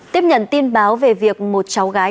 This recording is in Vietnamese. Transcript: tiếp nhận tin báo về việc một cháu gái